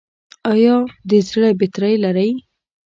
ایا د زړه بطرۍ لرئ؟